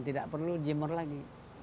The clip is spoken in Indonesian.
tidak perlu jemur lagi